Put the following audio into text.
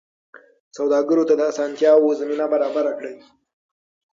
سوداګرو ته د اسانتیاوو زمینه برابره کړئ.